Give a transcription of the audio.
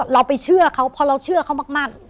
เราไปเชื่อเขาพอเราเชื่อเขามาก